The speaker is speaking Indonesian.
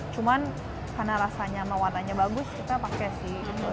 cuman karena rasanya sama warnanya bagus kita pakai sih